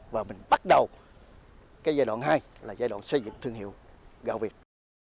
và mình bắt đầu cái giai đoạn hai là giai đoạn xây dựng thương hiệu gạo việt